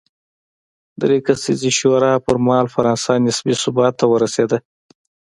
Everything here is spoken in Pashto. درې کسیزې شورا پر مهال فرانسه نسبي ثبات ته ورسېده.